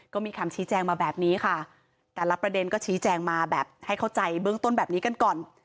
ก็มีคำชี้แจงมาแบบนี้ค่ะแต่ละประเด็นก็ชี้แจงมาแบบให้เข้าใจเบื้องต้นแบบนี้กันก่อน